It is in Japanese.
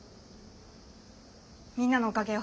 みんなのおかげよ。